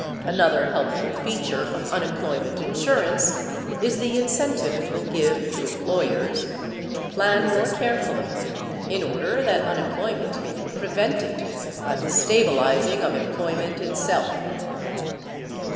Another helpful feature of unemployment insurance is the incentive it will give to employers to plan more carefully in order that unemployment may be prevented by the stabilizing of employment itself.